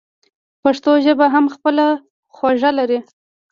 پښتو ژبه هم خپله خوږه لري.